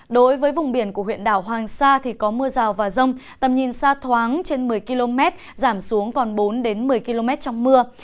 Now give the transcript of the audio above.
đối với vùng biển của huyện đảo hoàng sa thì có mưa rào và rông tầm nhìn xa thoáng trên một mươi km giảm xuống còn bốn đến một mươi km trong mưa